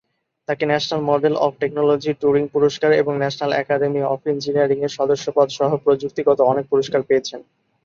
তাকে national medal of technology, Turing পুরস্কার এবং ন্যাশনাল অ্যাকাডেমি অফ ইঞ্জিনিয়ারিং এর সদস্যপদ সহ প্রযুক্তিগত অনেক পুরস্কার পেয়েছেন।